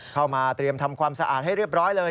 เข้ามาเตรียมทำความสะอาดให้เรียบร้อยเลย